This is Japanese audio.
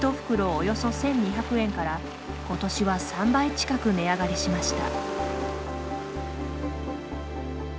およそ１２００円から今年は３倍近く値上がりしました。